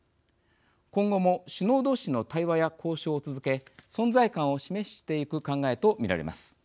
今後も首脳同士の対話や交渉を続け存在感を示していく考えと見られます。